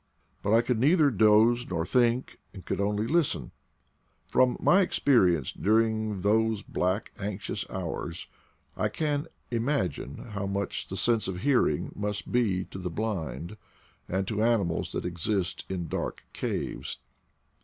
But I could neither doze nor think, and could only listen. From my experience during those black anxious hours I can imagine how much the sense of hearing must be to the blind and to ani mals that exist in dark caves.